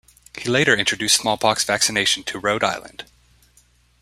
He later introduced smallpox vaccination to Rhode Island.